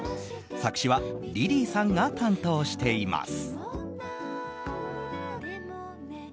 作詞はｌｉｌｙさんが担当しています。